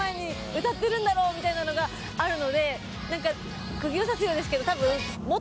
歌ってるんだろうみたいなのがあるので何かくぎを刺すようですけどたぶん。